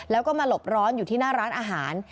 แล้วก็มาหลบร้อนอยู่ที่หน้าร้านอาหาร